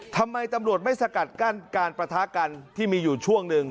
ทำไมตำรวจไม่สกัดกั้นการประทะกันที่มีอยู่ช่วงหนึ่ง